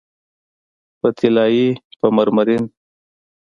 په طلایې، په مرمرین